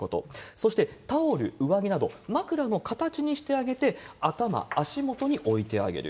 そしてタオル、上着など、枕の形にしてあげて、頭、足元に置いてあげる。